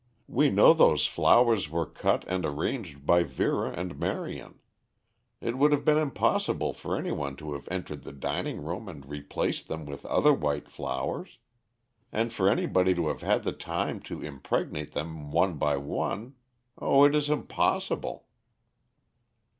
"We know those flowers were cut and arranged by Vera and Marion. It would have been impossible for any one to have entered the dining room and replaced them with other white flowers. And for anybody to have had the time to impregnate them one by one oh, it is impossible!"